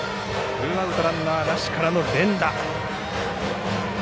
ツーアウト、ランナーなしからの連打。